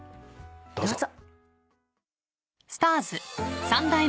どうぞ。